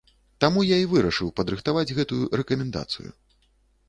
Таму я і вырашыў падрыхтаваць гэтую рэкамендацыю.